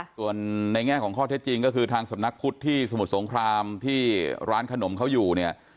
ส่วนในแง่ของข้อเท็จจริงก็คือทางสำนักพุทธที่สมุทรสงครามที่ร้านขนมเขาอยู่เนี่ย